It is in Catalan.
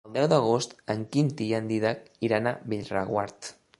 El deu d'agost en Quintí i en Dídac iran a Bellreguard.